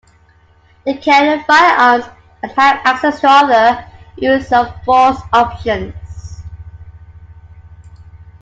They carry firearms and have access to other use of force options.